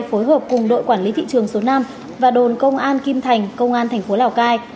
phối hợp cùng đội quản lý thị trường số năm và đồn công an kim thành công an thành phố lào cai